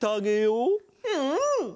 うん！